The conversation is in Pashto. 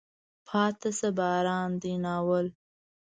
پاتې شه باران دی. ناول